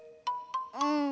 うん。